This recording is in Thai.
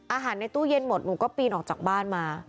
อาหารในตู้เย็นหมดหนูก็ปีนออกจากบ้านมา